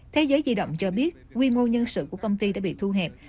thế giới di động cho biết quy mô nhân sự của công ty đã bị thu hẹp